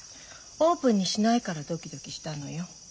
オープンにしないからドキドキしたのよ。